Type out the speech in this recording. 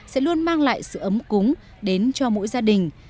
sẽ luôn mang lại sự ấm cúng đến cho mỗi gia đình